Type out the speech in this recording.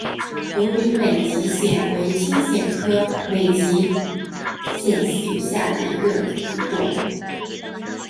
疣柄美喙藓为青藓科美喙藓属下的一个种。